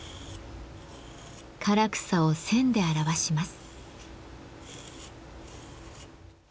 唐草を線で表します。